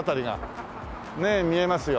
ねえ見えますよ。